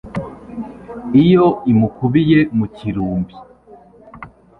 iyo imukubiye mu kirumbi